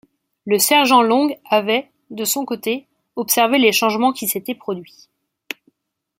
Le sergent Long avait, de son côté, observé les changements qui s’étaient produits.